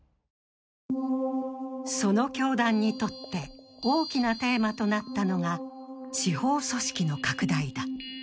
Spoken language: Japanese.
その教団にとって大きなテーマとなったのが地方組織の拡大だ。